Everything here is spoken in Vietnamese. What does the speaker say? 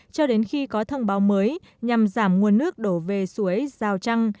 cho đến khi có thông báo mới nhằm giảm nguồn nước đổ về suối rào trăng